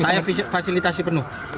saya fasilitasi penuh saya bantu total